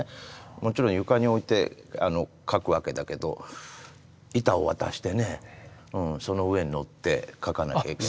もちろん床に置いて描くわけだけど板を渡してねその上に乗って描かなきゃいけない。